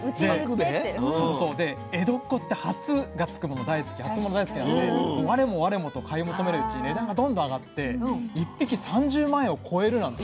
で江戸っ子って初が付くもの大好き初物大好きなので我も我もと買い求めるうちに値段がどんどん上がって１匹３０万円を超えるなんて。